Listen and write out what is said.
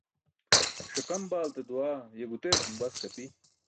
Ṣiqam baalte duwaa ye gutee cum bask api.